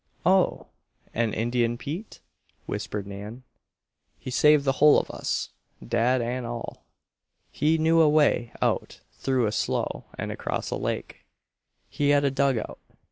"Oh! And Indian Pete?" whispered Nan. "He saved the whole of us dad and all. He knew a way out through a slough and across a lake. He had a dug out.